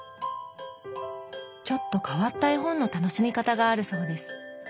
ちょっと変わった絵本の楽しみ方があるそうです。